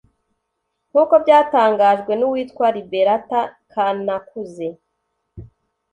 nk’uko byatangajwe n’uwitwa Liberatha Kanakuze